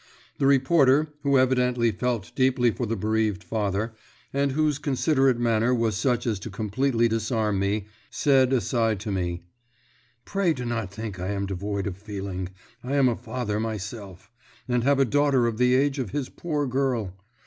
The reporter, who evidently felt deeply for the bereaved father, and whose considerate manner was such as to completely disarm me, said aside to me, "Pray do not think that I am devoid of feeling; I am a father myself, and have a daughter of the age of his poor girl.